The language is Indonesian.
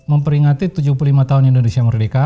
memperingati tujuh puluh lima tahun indonesia merdeka